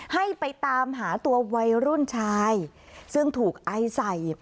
ให้ไปตามหาตัววัยรุ่นชายซึ่งถูกไอใส่